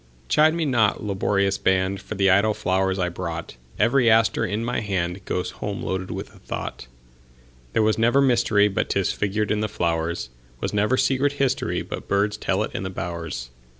Chide me not, laborious band, For the idle flowers I brought; Every aster in my handGoes home loaded with a thought. There was never mysteryBut 'tis figured in the flowers; SWas never secret historyBut birds tell it in the bowers.